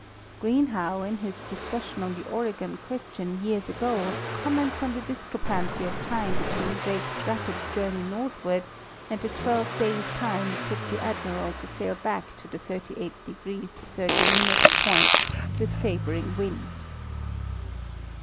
Greenhow, in his discussion on the Oregon question years ago, comments on the discrepancy of time between Drake's rapid journey northward and the twelve days' time it took the Admiral to sail back to the 388° 30' point with favoring wind.